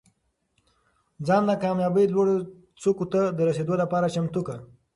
ځان د کامیابۍ لوړو څوکو ته د رسېدو لپاره چمتو کړه.